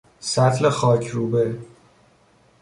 سطل خاکروبه